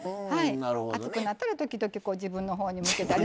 暑くなったら時々自分のほうに向けたり。